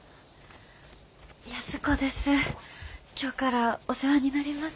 安子です。